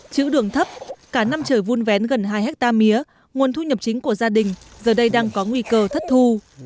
chữ đường thấp cả năm trời vun vén gần hai hectare mía nguồn thu nhập chính của gia đình giờ đây đang có nguy cơ thất thu